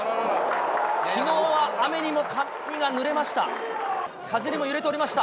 きのうは雨にも髪がぬれました。